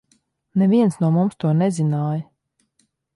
Neviens no mums to nezināja.